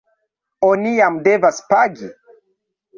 Oni jam devas pagi?